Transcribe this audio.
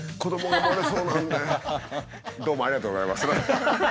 「どうもありがとうございます」って。